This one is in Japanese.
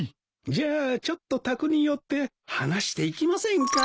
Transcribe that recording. じゃあちょっと宅に寄って話していきませんか？